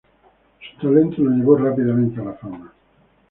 Su talento lo llevó rápidamente a la fama.